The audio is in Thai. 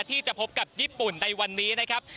ที่จะพบกับญี่ปุ่นในวันนี้นะครับ